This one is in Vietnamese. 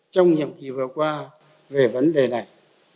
trong nhiệm kỳ vừa qua về vấn đề này